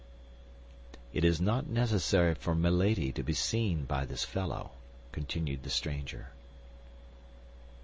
"It is not necessary for Milady* to be seen by this fellow," continued the stranger.